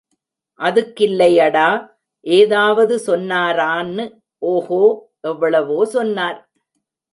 அதுக்கில்லையடா, ஏதாவது சொன்னாரான்னு... ஓஹோ..... எவ்வளவோ சொன்னார்.